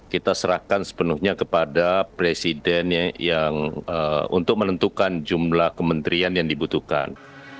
kita serahkan sepenuhnya kepada presiden yang untuk menentukan jumlah kementerian yang dibutuhkan